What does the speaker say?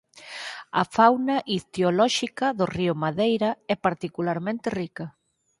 A fauna ictiolóxica do río Madeira é particularmente rica.